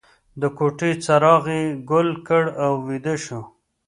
د کوټې څراغ یې ګل کړ او ویده شو